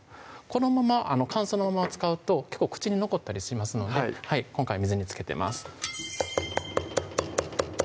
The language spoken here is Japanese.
このまま乾燥のまま使うと結構口に残ったりしますので今回水につけてます